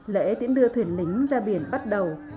lễ tiễn đưa thuyền lính ra biển bắt đầu